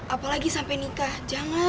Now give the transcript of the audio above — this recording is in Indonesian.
apalagi sampe nikah jangan